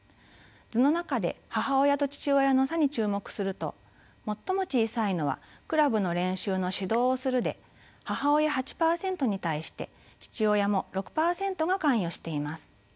図の中で母親と父親の差に注目すると最も小さいのは「クラブの練習の指導をする」で母親８％に対して父親も６％が関与しています。